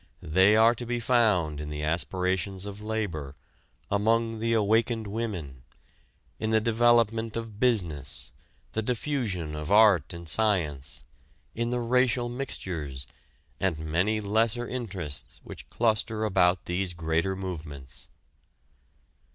They are to be found in the aspirations of labor, among the awakened women, in the development of business, the diffusion of art and science, in the racial mixtures, and many lesser interests which cluster about these greater movements.